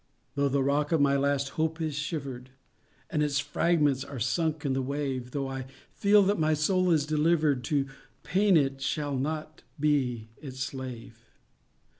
_ Though the rock of my last hope is shivered, And its fragments are sunk in the wave, Though I feel that my soul is delivered To pain—it shall not be its slave.